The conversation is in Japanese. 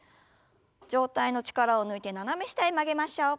上体の力を抜いて斜め下へ曲げましょう。